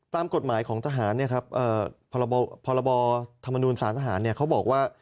ตามกฎหมายของทหารพรบธรรมนูลสารทหารเขาบอกว่า